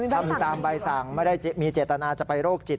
ทำตามใบสั่งไม่ได้มีเจตนาจะไปโรคจิต